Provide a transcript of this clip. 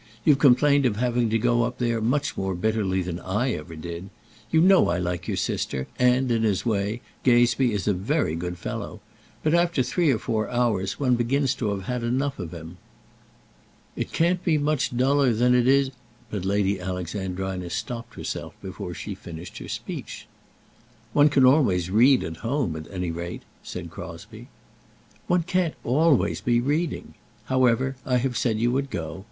You've complained of having to go up there much more bitterly than I ever did. You know I like your sister, and, in his way, Gazebee is a very good fellow; but after three or four hours, one begins to have had enough of him." "It can't be much duller than it is ;" but Lady Alexandrina stopped herself before she finished her speech. "One can always read at home, at any rate," said Crosbie. "One can't always be reading. However, I have said you would go.